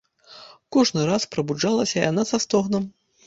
Кожны раз прабуджалася яна са стогнам.